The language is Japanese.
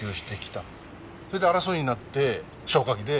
それで争いになって消火器で。